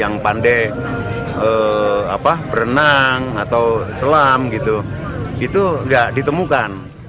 yang pandai berenang atau selam gitu itu nggak ditemukan